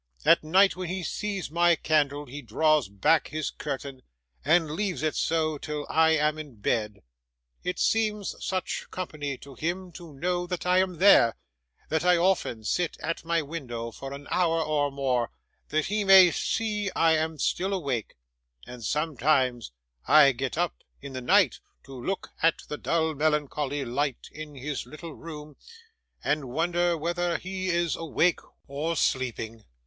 At night, when he sees my candle, he draws back his curtain, and leaves it so, till I am in bed. It seems such company to him to know that I am there, that I often sit at my window for an hour or more, that he may see I am still awake; and sometimes I get up in the night to look at the dull melancholy light in his little room, and wonder whether he is awake or sleeping.